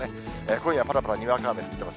今夜、ぱらぱらにわか雨降っています。